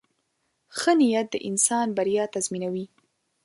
• ښه نیت د انسان بریا تضمینوي.